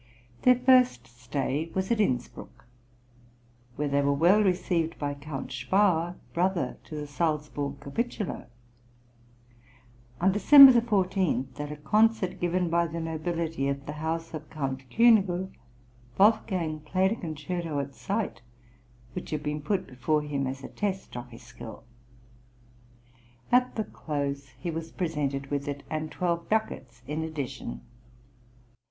Their first stay was at Inspruck, where they were well received by Count Spaur, brother to the Salzburg Capitular. On December 14, at a concert given by the nobility at the house of Count Künigl, Wolfgang played a concerto at sight, which had been put before him as a test of his skill; at the close he was presented with it, and twelve ducats in addition.